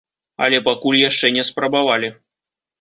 Але пакуль яшчэ не спрабавалі.